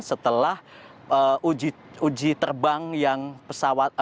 setelah uji terbang yang pesawat